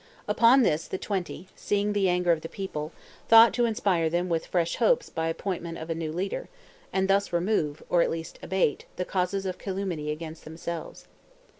Upon this the Twenty, seeing the anger of the people, thought to inspire them with fresh hopes by the appointment of a new leader, and thus remove, or at least abate, the causes of calumny against themselves.